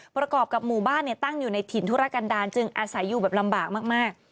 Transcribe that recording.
ประกอบกับหมู่บ้านตั้งอยู่ในถิ่นธุรกันดาลจึงอาศัยอยู่แบบลำบากมาก